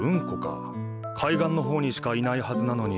海岸の方にしかいないはずなのに何でここに。